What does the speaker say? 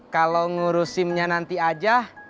kalau ngurusinnya nanti aja